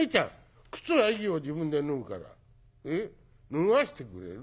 脱がせてくれる？